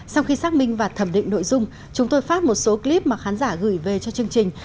sau khi xác minh và thẩm định nội dung chúng tôi phát một số clip mà khán giả gửi về cho chương trình